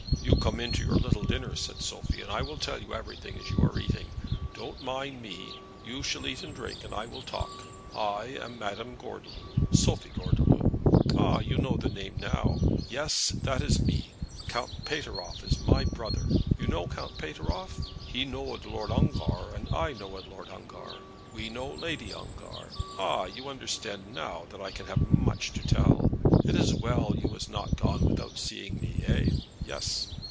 "You come in to your little dinner," said Sophie, "and I will tell you everything as you are eating. Don't mind me. You shall eat and drink, and I will talk. I am Madame Gordeloup, Sophie Gordeloup. Ah, you know the name now. Yes. That is me. Count Pateroff is my brother. You know Count Pateroff? He knowed Lord Ongar, and I knowed Lord Ongar. We know Lady Ongar. Ah, you understand now that I can have much to tell. It is well you was not gone without seeing me? Eh; yes!